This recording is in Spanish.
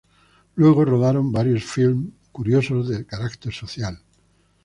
Luego rodaron varios filmes curiosos de carácter social.